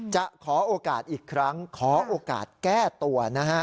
จะขอโอกาสอีกครั้งขอโอกาสแก้ตัวนะฮะ